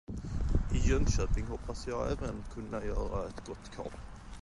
I Jönköping hoppas jag även kunna göra ett gott kap.